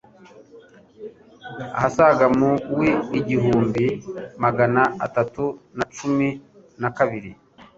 ahasaga mu wi igihumbi magana atatu na cumi nakabiri